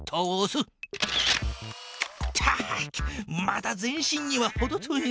まだ全身にはほど遠いな。